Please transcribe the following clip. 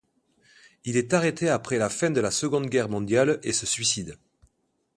Il est arrêté après la fin de la Seconde Guerre mondiale et se suicide.